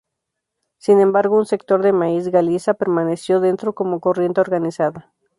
Sin embargo, un sector de Máis Galiza permaneció dentro como corriente organizada.